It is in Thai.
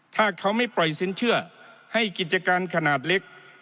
ถ้าเขาไม่ปล่อยสินเชื่อให้กิจการขนาดเล็ก